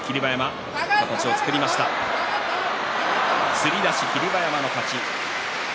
つり出し、霧馬山の勝ち。